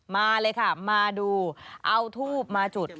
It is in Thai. มาเลยค่ะมาดูเอาทูบมาจุด